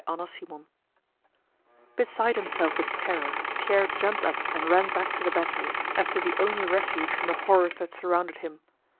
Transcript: CHAPTER XXXII Beside himself with terror Pierre jumped up and ran back to the battery, as to the only refuge from the horrors that surrounded him.